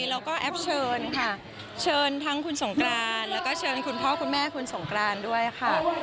แล้วก็แอปเชิญค่ะเชิญทั้งคุณสงกรานแล้วก็เชิญคุณพ่อคุณแม่คุณสงกรานด้วยค่ะ